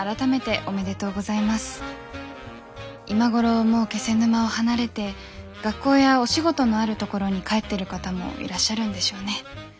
今頃もう気仙沼を離れて学校やお仕事のあるところに帰ってる方もいらっしゃるんでしょうね。